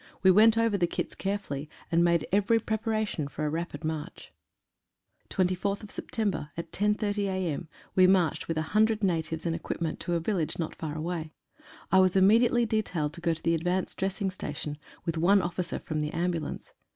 We went over the kits carefully, and made every preparation for a rapid march. 119 GRIM PREPARATIONS. 24th Sept.— At 10.30 a.m. we marched with 100 natives and equip ment to a village not far away. I was immediately de tailed to go to the advanced Dressing Station, with one officer from the ambulance.